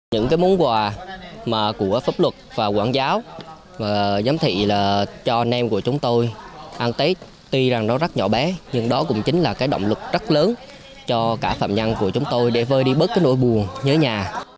những món quà của pháp luật và quảng giáo và giám thị cho anh em của chúng tôi ăn tết tuy rằng nó rất nhỏ bé nhưng đó cũng chính là động lực rất lớn cho cả phạm nhân của chúng tôi để vơi đi bớt nỗi buồn nhớ nhà